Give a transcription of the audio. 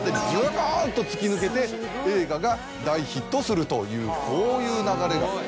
ズドンと突き抜けて映画が大ヒットするというこういう流れが。